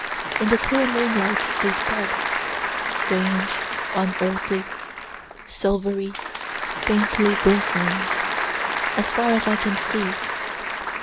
In the clear moonlight they spread, strange, unearthly, silvery, faintly glistening, as far as I can see.